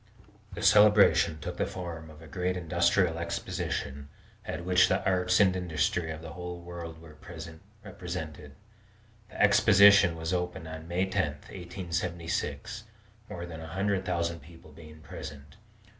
The celebration took the form of a great industrial exposition, at which the arts and industries of the whole world were represented. The exposition was opened on May 10, 1876, more than a hundred thousand people being present.